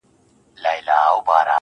او خپل څادر يې تر خپل څنگ هوار کړ.